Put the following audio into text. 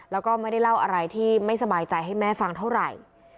แล้วก็ไม่ได้เล่าอะไรที่ไม่สบายใจให้แม่ฟังเท่าไหร่